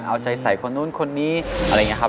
เอาใจใส่คนนู้นคนนี้อะไรอย่างนี้ครับ